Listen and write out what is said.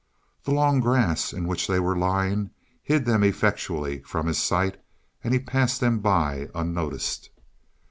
The long grass in which they were lying hid them effectually from his sight and he passed them by unnoticed.